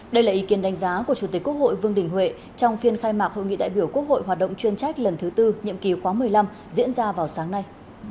đây là ý kiến đánh giá của chủ tịch quốc hội vương đình huệ trong phiên khai mạc hội nghị đại biểu quốc hội hoạt động chuyên trách lần thứ tư nhiệm kỳ khóa một mươi năm diễn ra vào sáng nay